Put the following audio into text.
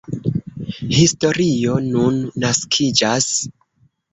Historio nun naskiĝas.